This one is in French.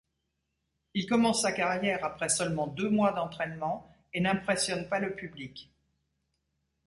Il commence sa carrière après seulement deux mois d'entraînement et n'impressionne pas le public.